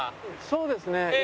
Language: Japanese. そうですね。